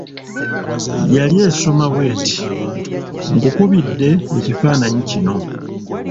Yali esoma bw'eti: nkukubidde ekifananyi kino.